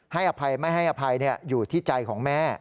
อภัยไม่ให้อภัยอยู่ที่ใจของแม่